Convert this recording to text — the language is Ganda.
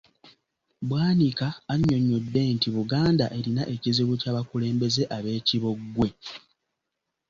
Bwanika annyonnyodde nti Buganda erina ekizibu ky’abakulembeze abeekibogwe.